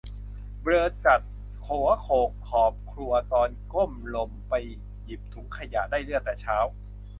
เบลอจัด หัวโขกขอบครัวตอนก้มลมไปหยิบถุงขยะ ได้เลือดแต่เช้า